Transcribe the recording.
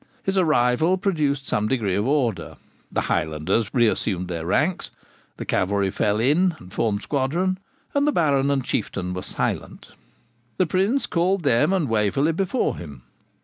His arrival produced some degree of order. The Highlanders reassumed their ranks, the cavalry fell in and formed squadron, and the Baron and Chieftain were silent. The Prince called them and Waverley before him.